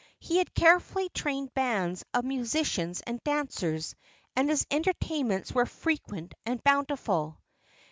He had carefully trained bands of musicians and dancers, and his entertainments were frequent and bountiful.